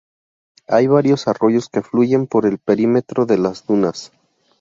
Hay varios arroyos que fluyen por el perímetro de las dunas.